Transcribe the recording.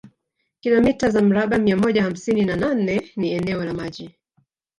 Kilomita za mraba mia moja hamsini na nane ni eneo la maji